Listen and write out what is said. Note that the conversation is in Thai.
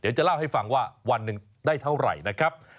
เดี๋ยวจะเล่าให้ฟังว่าวันหนึ่งได้เท่าไหร่นะครับ